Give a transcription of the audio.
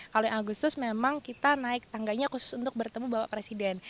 kalau yang agustus memang kita naik tangganya khusus untuk bertemu bapak presiden